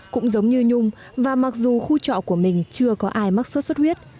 cũng giống như nhung và mặc dù khu trọ của mình chưa có ai mắc sốt xuất huyết